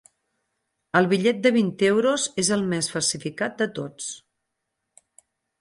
El bitllet de vint euros és el més falsificat de tots.